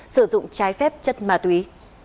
sử dụng trái phép chất ma túy